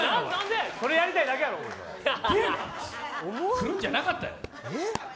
振るんじゃなかった。